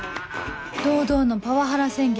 堂々のパワハラ宣言